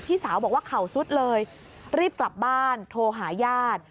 สาวบอกว่าเข่าสุดเลยรีบกลับบ้านโทรหาญาติ